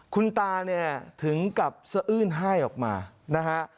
คุณตาเนี่ยถึงกับสะอื้นไห้ออกมานะฮะ